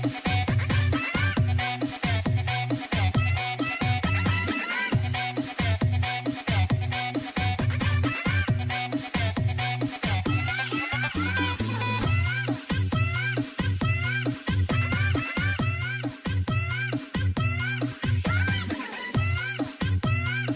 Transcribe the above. สวัสดีค่ะ